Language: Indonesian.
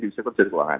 dibisikkan dari keuangan